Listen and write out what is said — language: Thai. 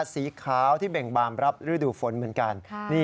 สีขาวที่เบ่งบามรับฤดูฝนเหมือนกัน